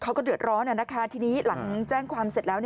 เขาก็เดือดร้อนทีนี้หลังแจ้งความเสร็จแล้ว